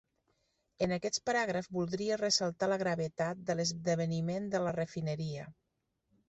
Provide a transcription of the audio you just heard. En aquest paràgraf voldria ressaltar la gravetat de l'esdeveniment de la refineria.